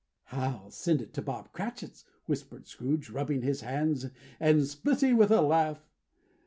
"I'll send it to Bob Cratchit's," whispered Scrooge, rubbing his hands, and splitting with a laugh.